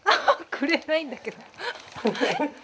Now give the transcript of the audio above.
くれないんだけど。